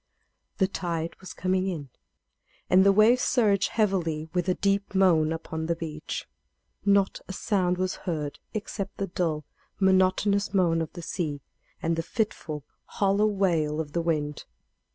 The tide was coming in, and the waves surged heavily with a deep moan upon the beach. Not a sound was heard except the dull, monotonous moan of the sea, and the fitful, hollow wail of the wind.